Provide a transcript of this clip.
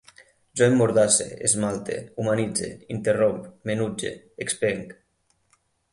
Jo emmordasse, esmalte, humanitze, interromp, m'enutge, expenc